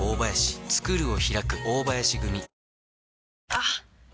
あっ！